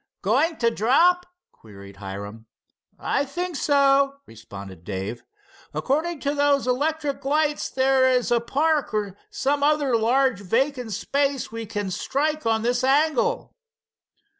"Going to drop?" queried Hiram. "I think so," responded Dave. "According to those electric lights there is a park or some other large vacant space we can strike on this angle."